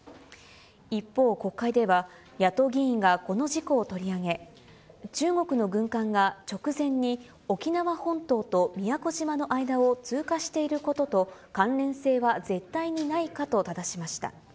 一方、国会では、野党議員がこの事故を取り上げ、中国の軍艦が直前に沖縄本島と宮古島の間を通過していることと関連性は絶対にないかとただしました。